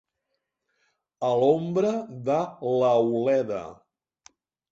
A l'ombra de l'auleda.